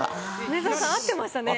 梅沢さん合ってましたね。